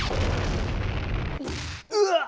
うわっ！